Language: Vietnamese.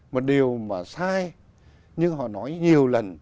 một điều mà sai nhưng họ nói nhiều lần